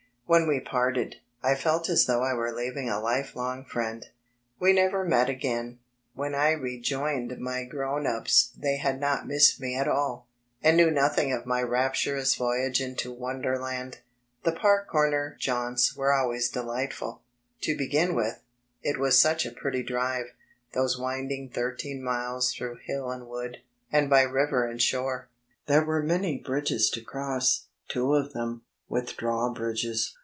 When we parted, I felt as though I were leaving a life long friend. We never met again. Digilized by Google When I rejoined my grown ups they had not missed me at all, and knew nothing of my rapturous voyage into Won derland. The Park Comer jaunts were always delightful. To be gin with, it was such a pretty drive, those winding thirteen miles through hill and wood, and by river and shore. There were many bridges to cross, two of them, with drawbridges.